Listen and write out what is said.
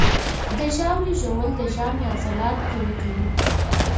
د ژاولې ژوول د ژامې عضلات قوي کوي.